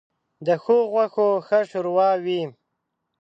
ـ د ښو غوښو ښه ښوروا وي.